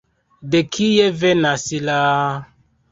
De kie venas la...